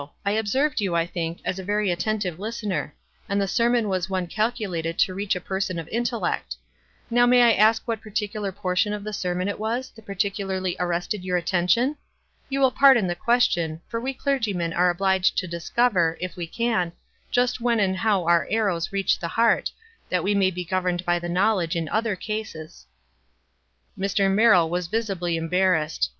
I observed you, I think, as a very attentive listener ; and the sermon was one calculated to reach a person of intellect. Now may I ask what particular portion of the sermon it was that particularly arrested your at tention? You will pardon the question, for we clergymen are obliged to discover, if we can, just when and how our arrows reach the heart, that we may be governed by the knowledge in other cases." Mr. Merrill was visible embarrassed.